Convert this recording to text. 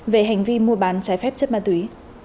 về hành vi mua bán trái phép chất ma túy